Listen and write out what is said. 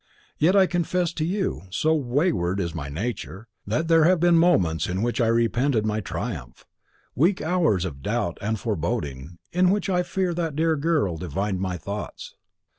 Yet, I confess to you, so wayward is my nature, that there have been moments in which I repented my triumph weak hours of doubt and foreboding, in which I fear that dear girl divined my thoughts.